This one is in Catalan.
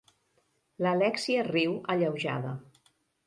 L'Alèxia riu, alleujada.